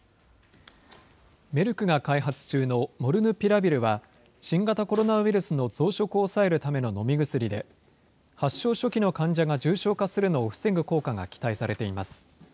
メルクが開発中のモルヌピラビルは、新型コロナウイルスの増殖を抑えるための飲み薬で、発症初期の患者が重症化するのを防ぐ効果が期待されています。